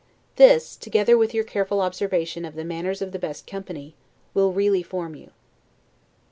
This, together with your careful observation of the manners of the best company, will really form you.